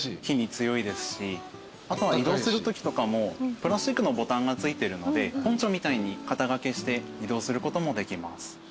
火に強いですしあとは移動するときとかもプラスチックのボタンが付いてるのでポンチョみたいに肩掛けして移動することもできます。